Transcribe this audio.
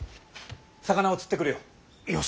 魚を釣ってくるよ。